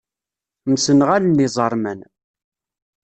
Msenɣalen iẓeṛman.